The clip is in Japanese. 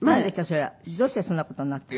それは。どうしてそんな事になったの？